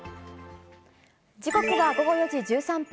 時刻は午後４時１３分。